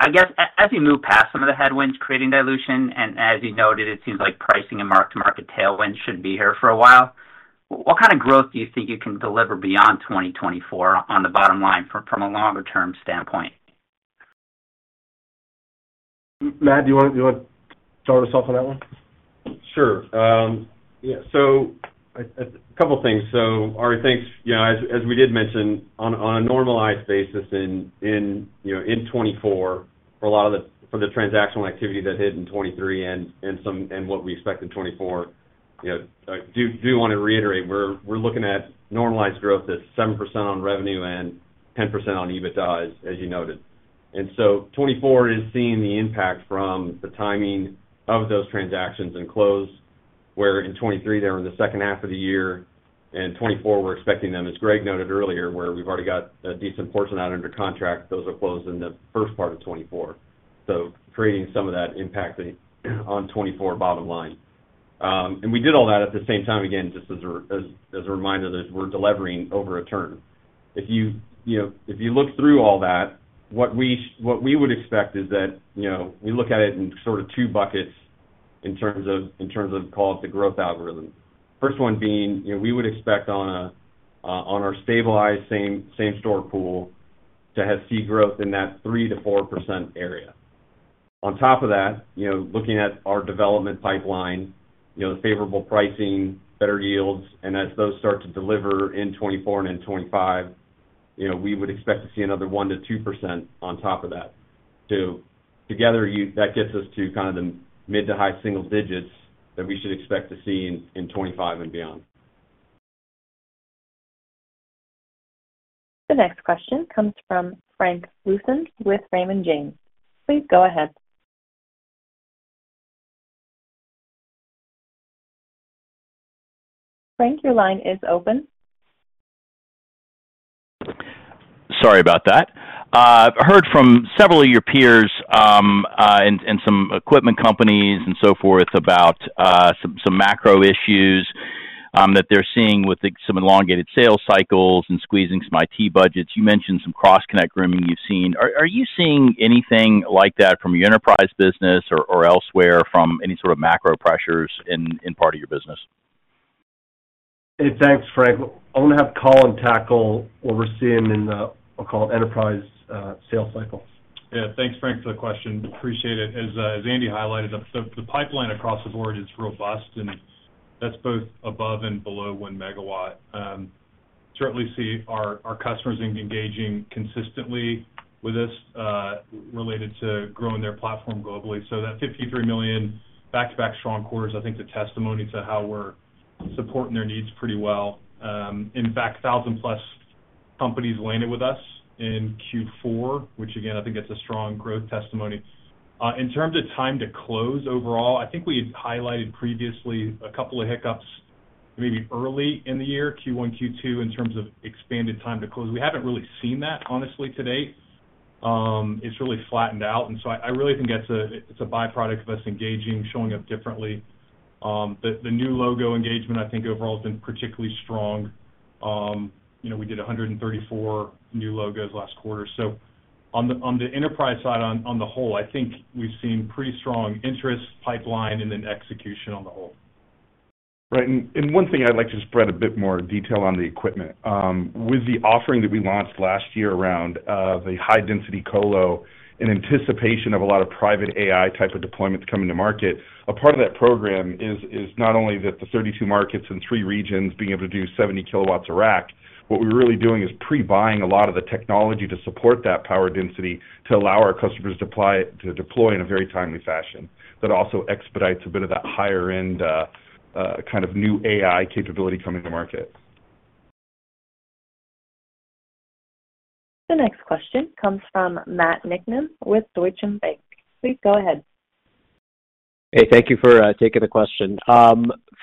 I guess, as you move past some of the headwinds creating dilution, and as you noted, it seems like pricing and mark-to-market tailwind should be here for a while. What kind of growth do you think you can deliver beyond 2024 on the bottom line from a longer-term standpoint? Matt, do you want to start us off on that one? Sure. Yeah, so a couple of things. So, Ari, thanks. You know, as we did mention, on a normalized basis in 2024, for a lot of the transactional activity that hit in 2023 and some... and what we expect in 2024, you know, I do want to reiterate, we're looking at normalized growth that's 7% on revenue and 10% on EBITDA, as you noted. And so 2024 is seeing the impact from the timing of those transactions and close, where in 2023, they were in the second half of the year, and 2024, we're expecting them, as Greg noted earlier, where we've already got a decent portion out under contract. Those are closed in the first part of 2024, so creating some of that impact on 2024 bottom line. And we did all that at the same time. Again, just as a reminder, that we're delivering over a term. If you know, if you look through all that, what we would expect is that, you know, we look at it in sort of two buckets in terms of call it the growth algorithm. First one being, you know, we would expect on a on our stabilized same-store pool to have see growth in that 3% to 4% area. On top of that, you know, looking at our development pipeline, you know, the favorable pricing, better yields, and as those start to deliver in 2024 and in 2025, you know, we would expect to see another 1% to 2% on top of that. So together, that gets us to kind of the mid to high single digits that we should expect to see in 2025 and beyond. The next question comes from Frank Louthan with Raymond James. Please go ahead. Frank, your line is open. Sorry about that. I've heard from several of your peers, and some equipment companies and so forth, about some macro issues that they're seeing with some elongated sales cycles and squeezing some IT budgets. You mentioned some cross-connect grooming you've seen. Are you seeing anything like that from your enterprise business or elsewhere, from any sort of macro pressures in part of your business? Hey, thanks, Frank. I'm going to have Colin tackle what we're seeing in the, I'll call it, enterprise, sales cycles. Yeah. Thanks, Frank, for the question. Appreciate it. As Andy highlighted, the pipeline across the board is robust, and that's both above and below 1 MW. Certainly see our customers engaging consistently with us related to growing their platform globally. So that 53 million back-to-back strong quarters, I think, is a testimony to how we're supporting their needs pretty well. In fact, 1,000+ companies landed with us in Q4, which again, I think it's a strong growth testimony. In terms of time to close overall, I think we've highlighted previously a couple of hiccups, maybe early in the year, Q1, Q2, in terms of expanded time to close. We haven't really seen that honestly to date. It's really flattened out, and so I really think that's a—it's a byproduct of us engaging, showing up differently. The new logo engagement, I think, overall, has been particularly strong. You know, we did 134 new logos last quarter. So on the enterprise side, on the whole, I think we've seen pretty strong interest pipeline and then execution on the whole. Right. And one thing I'd like to spread a bit more detail on the equipment. With the offering that we launched last year around the high-density colo, in anticipation of a lot of private AI type of deployments coming to market, a part of that program is not only that the 32 markets in 3 regions being able to do 70 KW a rack. What we're really doing is pre-buying a lot of the technology to support that power density, to allow our customers to apply it to deploy in a very timely fashion, but also expedites a bit of that higher-end kind of new AI capability coming to market. The next question comes from Matt Niknam with Deutsche Bank. Please go ahead. Hey, thank you for taking the question.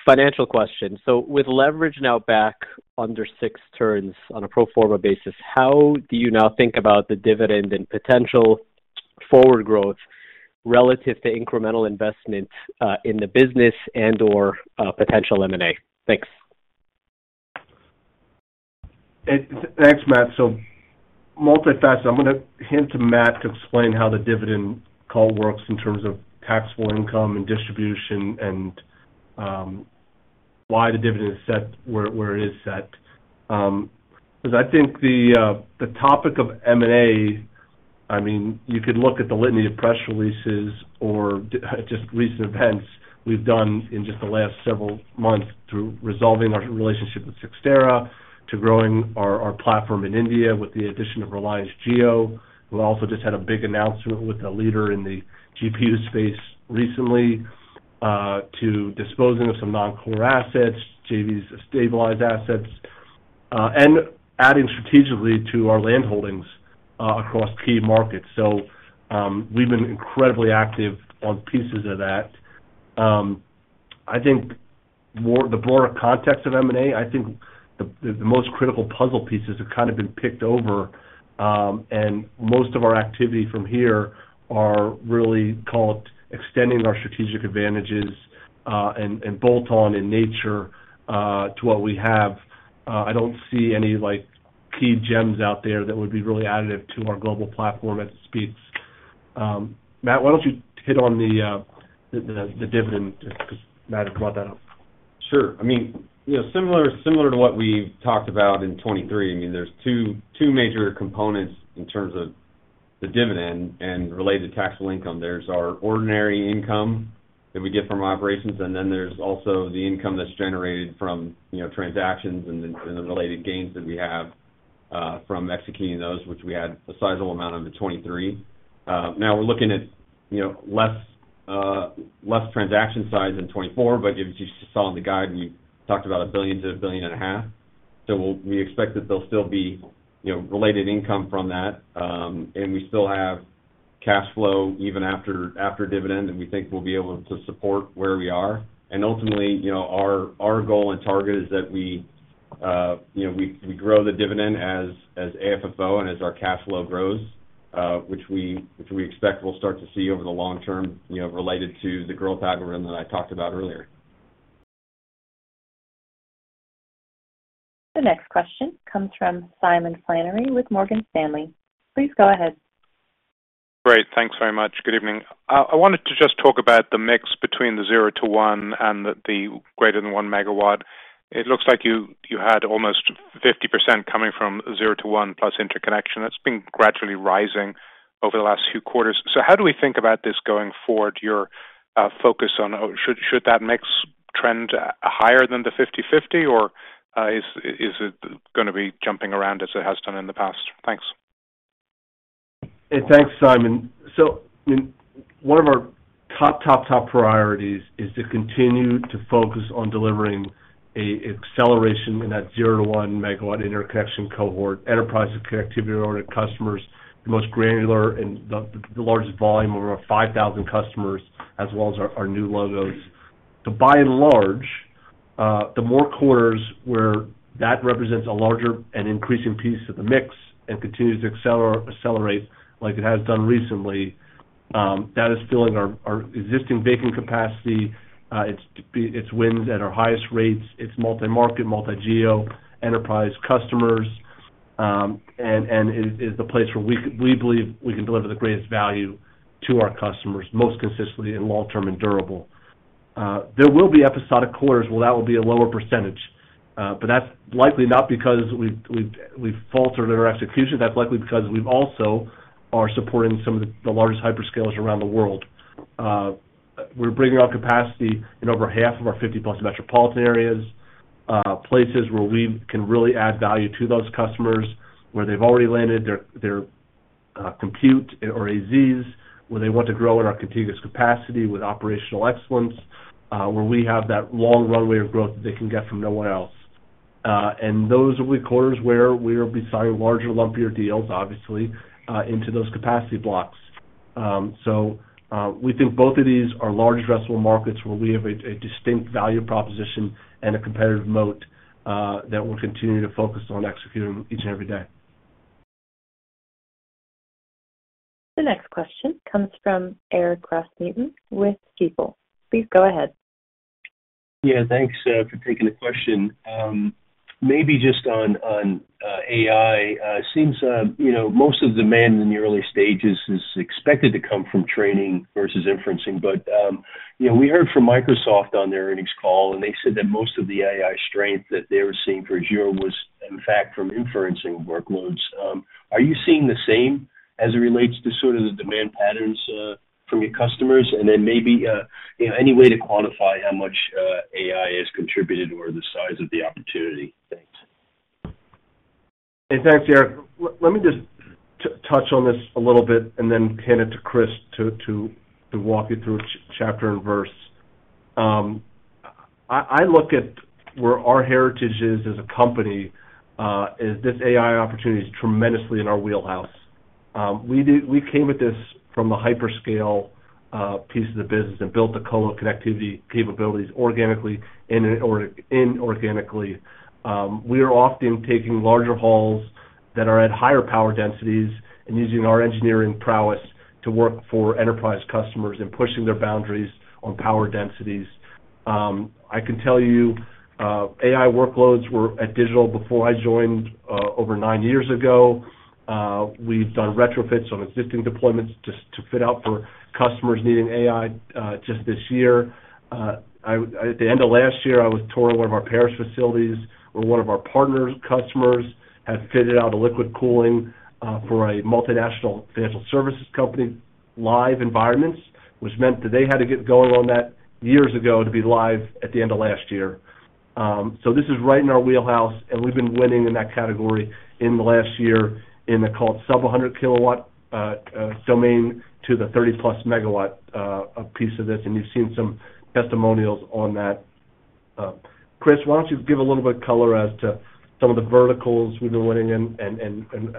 Financial question. So with leverage now back under six turns on a pro forma basis, how do you now think about the dividend and potential forward growth relative to incremental investment in the business and, or, potential M&A? Thanks. Thanks, Matt. So multifaceted. I'm going to hand to Matt to explain how the dividend call works in terms of taxable income and distribution and, why the dividend is set where, where it is set. Because I think the, the topic of M&A, I mean, you could look at the litany of press releases or just recent events we've done in just the last several months through resolving our relationship with Cyxtera, to growing our, our platform in India with the addition of Reliance Jio. We've also just had a big announcement with a leader in the GP2 space recently, to disposing of some non-core assets, JVs stabilized assets, and adding strategically to our land holdings, across key markets. So, we've been incredibly active on pieces of that, I think more, the broader context of M&A, I think the most critical puzzle pieces have kind of been picked over, and most of our activity from here are really called extending our strategic advantages, and bolt-on in nature, to what we have. I don't see any, like, key gems out there that would be really additive to our global platform at speeds. Matt, why don't you hit on the dividend, just because Matt brought that up? Sure. I mean, you know, similar to what we've talked about in 2023. I mean, there's two major components in terms of the dividend and related taxable income. There's our ordinary income that we get from operations, and then there's also the income that's generated from, you know, transactions and then, and the related gains that we have from executing those, which we had a sizable amount in 2023. Now we're looking at, you know, less transaction size in 2024, but as you saw in the guide, we talked about $1 billion to $1.5 billion. So we'll expect that there'll still be, you know, related income from that, and we still have cash flow even after dividend, and we think we'll be able to support where we are. And ultimately, you know, our goal and target is that we, you know, we grow the dividend as AFFO and as our cash flow grows, which we expect we'll start to see over the long term, you know, related to the growth algorithm that I talked about earlier. The next question comes from Simon Flannery with Morgan Stanley. Please go ahead. Great. Thanks very much. Good evening. I wanted to just talk about the mix between the 0-1 MW and the greater than 1 MW. It looks like you, you had almost 50% coming from 0-1 plus interconnection. That's been gradually rising over the last few quarters. So how do we think about this going forward, your focus on. Should, should that mix trend higher than the 50/50, or is it gonna be jumping around as it has done in the past? Thanks. Hey, thanks, Simon. So, I mean, one of our top, top, top priorities is to continue to focus on delivering a acceleration in that 0-1 Megawatt interconnection cohort, enterprise connectivity-oriented customers, the most granular and the largest volume of over 5,000 customers, as well as our new logos. By and large, the more quarters where that represents a larger and increasing piece of the mix and continues to accelerate like it has done recently, that is filling our existing vacant capacity, it's wins at our highest rates, it's multi-market, multi-geo, enterprise customers, and is the place where we believe we can deliver the greatest value to our customers, most consistently and long-term and durable. There will be episodic quarters where that will be a lower percentage, but that's likely not because we've faltered in our execution. That's likely because we've also are supporting some of the largest hyperscalers around the world. We're bringing our capacity in over half of our 50+ metropolitan areas, places where we can really add value to those customers, where they've already landed their compute or AZs, where they want to grow in our contiguous capacity with operational excellence, where we have that long runway of growth that they can get from nowhere else. And those will be quarters where we will be signing larger, lumpier deals, obviously, into those capacity blocks. So, we think both of these are large addressable markets where we have a distinct value proposition and a competitive moat that we'll continue to focus on executing each and every day. The next question comes from Eric Luebchow with People. Please go ahead. Yeah, thanks for taking the question. Maybe just on AI, it seems you know, most of the demand in the early stages is expected to come from training versus inferencing. But you know, we heard from Microsoft on their earnings call, and they said that most of the AI strength that they were seeing for Azure was, in fact, from inferencing workloads. Are you seeing the same as it relates to sort of the demand patterns from your customers? And then maybe you know, any way to quantify how much AI has contributed or the size of the opportunity? Thanks. Hey, thanks, Eric. Let me just touch on this a little bit and then hand it to Chris to walk you through chapter and verse. I look at where our heritage is as a company, is this AI opportunity is tremendously in our wheelhouse. We came at this from a hyperscale piece of the business and built the colo connectivity capabilities organically and inorganically. We are often taking larger halls that are at higher power densities and using our engineering prowess to work for enterprise customers and pushing their boundaries on power densities. I can tell you, AI workloads were at Digital before I joined, over 9 years ago. We've done retrofits on existing deployments just to fit out for customers needing AI, just this year. At the end of last year, I was touring one of our Paris facilities, where one of our partners, customers, had fitted out a liquid cooling for a multinational financial services company, live environments, which meant that they had to get going on that years ago to be live at the end of last year. So this is right in our wheelhouse, and we've been winning in that category in the last year in the, call it, sub-100-Kilowatt domain to the 30+-Megawatt piece of this, and you've seen some testimonials on that. Chris, why don't you give a little bit of color as to some of the verticals we've been winning in, and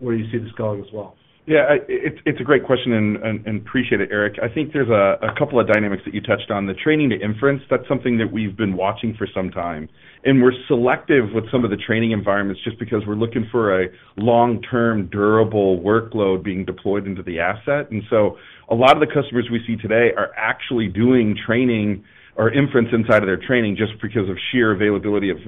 where you see this going as well? Yeah, it's a great question, and appreciate it, Eric. I think there's a couple of dynamics that you touched on. The training to inference, that's something that we've been watching for some time, and we're selective with some of the training environments, just because we're looking for a long-term, durable workload being deployed into the asset. And so a lot of the customers we see today are actually doing training or inference inside of their training, just because of sheer availability of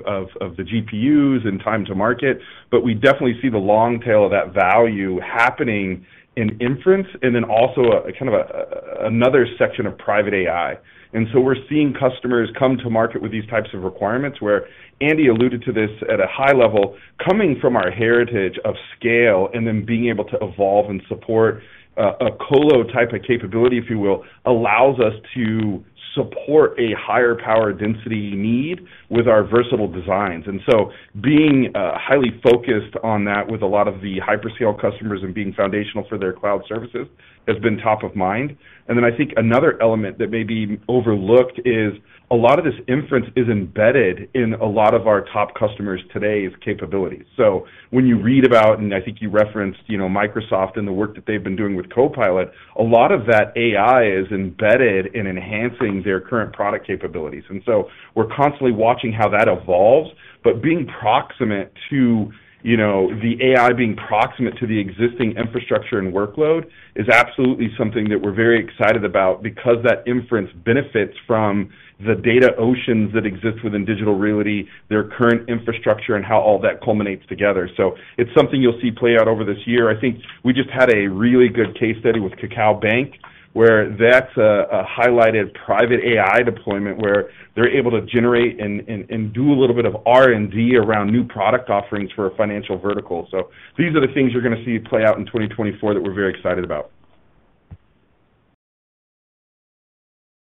the GPUs and time to market. But we definitely see the long tail of that value happening in inference and then also a kind of another section of private AI. And so we're seeing customers come to market with these types of requirements, where Andy alluded to this at a high level, coming from our heritage of scale and then being able to evolve and support a colo type of capability, if you will, allows us to support a higher power density need with our versatile designs. And so being highly focused on that with a lot of the hyperscale customers and being foundational for their cloud services has been top of mind. And then I think another element that may be overlooked is a lot of this inference is embedded in a lot of our top customers' today's capabilities. So when you read about, and I think you referenced, you know, Microsoft and the work that they've been doing with Copilot, a lot of that AI is embedded in enhancing their current product capabilities. And so we're constantly watching how that evolves, but being proximate to, you know, the AI being proximate to the existing infrastructure and workload is absolutely something that we're very excited about because that inference benefits from the data oceans that exist within Digital Realty, their current infrastructure, and how all that culminates together. So it's something you'll see play out over this year. I think we just had a really good case study with KakaoBank, where that's a highlighted private AI deployment, where they're able to generate and do a little bit of R&D around new product offerings for a financial vertical. So these are the things you're going to see play out in 2024 that we're very excited about.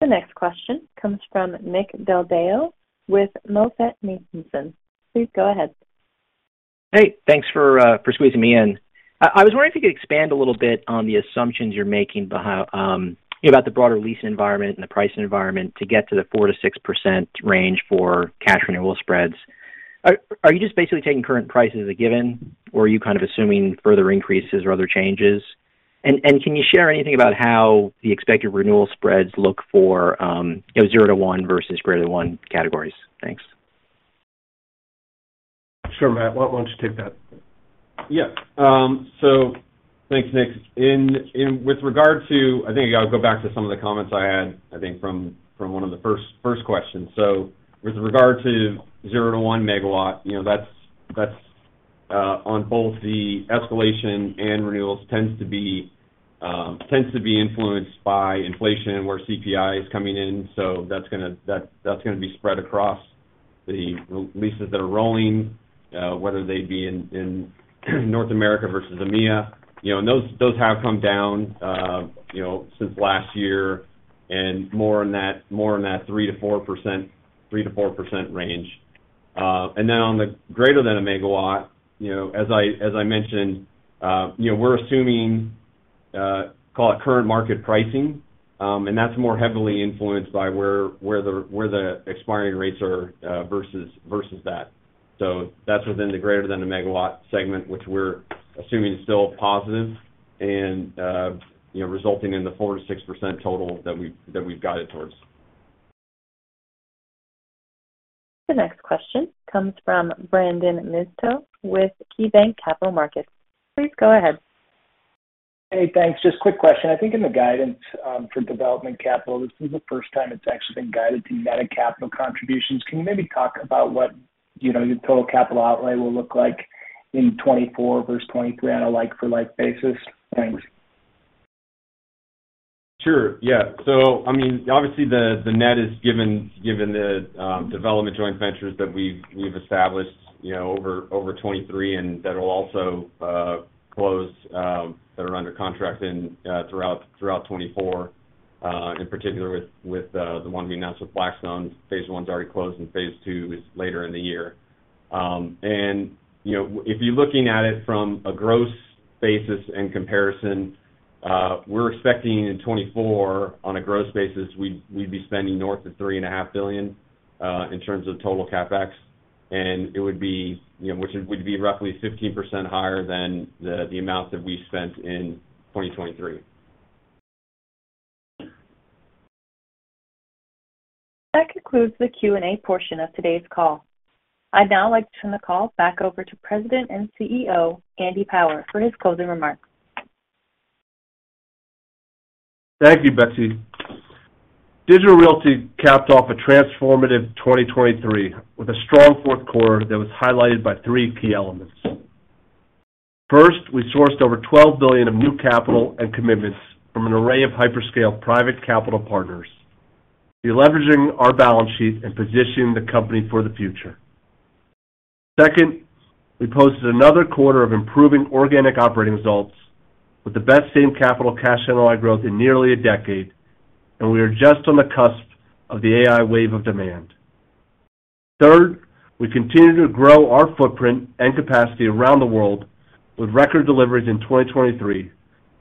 The next question comes from Nick Del Deo with MoffettNathanson. Please go ahead. Hey, thanks for squeezing me in. I was wondering if you could expand a little bit on the assumptions you're making behind about the broader lease environment and the pricing environment to get to the 4% to 6% range for cash renewal spreads. Are you just basically taking current prices as a given, or are you kind of assuming further increases or other changes? And can you share anything about how the expected renewal spreads look for you know, zero to one versus greater than one categories? Thanks. Sure, Matt. Why don't you take that? Yeah, so thanks, Nick. In with regard to... I think I'll go back to some of the comments I had, I think from one of the first questions. So with regard to 0-1 Megawatt, you know, that's on both the escalation and renewals, tends to be influenced by inflation, where CPI is coming in. So that's gonna, that's gonna be spread across the leases that are rolling, whether they be in North America versus EMEA. You know, and those have come down, you know, since last year and more in that 3% to 4% range. And then on the greater than a Megawatt, you know, as I mentioned, you know, we're assuming, call it, current market pricing, and that's more heavily influenced by where the expiring rates are, versus that. So that's within the greater than a Megawatt segment, which we're assuming is still positive and, you know, resulting in the 4% to 6% total that we've guided towards. The next question comes from Brandon Nispel with KeyBanc Capital Markets. Please go ahead. Hey, thanks. Just a quick question. I think in the guidance, for development capital, this is the first time it's actually been guided to net capital contributions. Can you maybe talk about what, you know, your total capital outlay will look like in 2024 versus 2023 on a like-for-like basis? Thanks. Sure. Yeah. So I mean, obviously, the net is given the development joint ventures that we've established, you know, over 2023, and that will also close that are under contract throughout 2024. In particular, with the one we announced with Blackstone, phase one is already closed, and phase two is later in the year. And, you know, if you're looking at it from a gross basis and comparison, we're expecting in 2024, on a gross basis, we'd be spending north of $3.5 billion in terms of total CapEx, and it would be, you know, which would be roughly 15% higher than the amount that we spent in 2023. That concludes the Q&A portion of today's call. I'd now like to turn the call back over to President and CEO, Andy Power, for his closing remarks. Thank you, Betsy. Digital Realty capped off a transformative 2023, with a strong Q4 that was highlighted by three key elements. First, we sourced over $12 billion of new capital and commitments from an array of hyperscale private capital partners, deleveraging our balance sheet and positioning the company for the future. Second, we posted another quarter of improving organic operating results, with the best same-capital Cash NOI growth in nearly a decade, and we are just on the cusp of the AI wave of demand. Third, we continue to grow our footprint and capacity around the world, with record deliveries in 2023,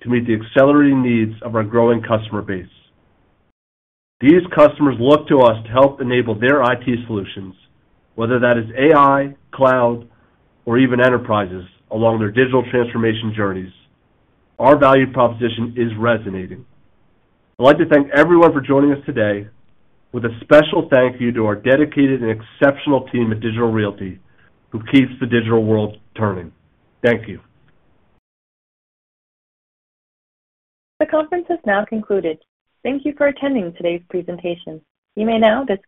to meet the accelerating needs of our growing customer base. These customers look to us to help enable their IT solutions, whether that is AI, cloud, or even enterprises, along their digital transformation journeys. Our value proposition is resonating. I'd like to thank everyone for joining us today, with a special thank you to our dedicated and exceptional team at Digital Realty, who keeps the digital world turning. Thank you. The conference is now concluded. Thank you for attending today's presentation. You may now dis-